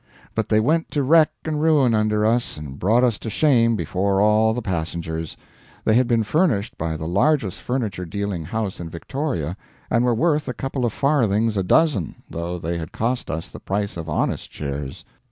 But they went to wreck and ruin under us and brought us to shame before all the passengers. They had been furnished by the largest furniture dealing house in Victoria, and were worth a couple of farthings a dozen, though they had cost us the price of honest chairs.